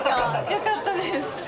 よかったです。